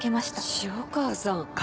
潮川さん